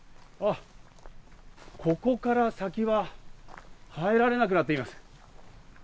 ここから先は入られなくなっています。